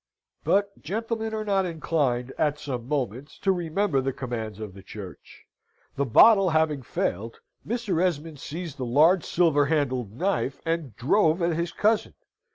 But gentlemen are not inclined at some moments to remember the commands of the Church. The bottle having failed, Mr. Esmond seized the large silver handled knife and drove at his cousin.